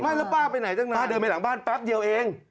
แล้วป้าไปไหนจังนะป้าเดินไปหลังบ้านแป๊บเดียวเอง